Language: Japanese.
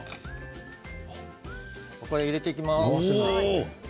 ここに入れていきます。